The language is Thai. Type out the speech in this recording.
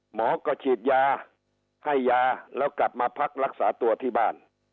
หมอก็ฉีดยาให้ยาแล้วกลับมาพักรักษาตัวที่บ้าน